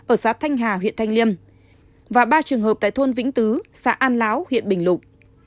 ở xã thanh hà huyện thanh liêm và ba trường hợp tại thôn vĩnh tứ xã an láo huyện bình lục